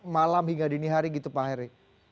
malam hingga dini hari gitu pak heri